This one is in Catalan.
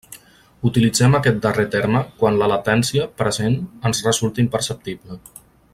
Utilitzem aquest darrer terme quan la latència present ens resulta imperceptible.